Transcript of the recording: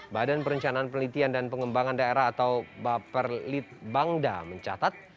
badan perencanaan penelitian dan pengembangan daerah atau baperlit bangda mencatat